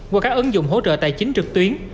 qua các ứng dụng hỗ trợ tài chính trực tuyến